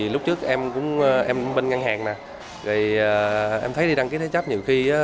lúc trước em cũng bên ngân hàng em thấy đi đăng ký thế chấp nhiều khi